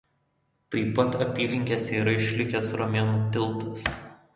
Taip pat apylinkėse yra išlikęs romėnų tiltas.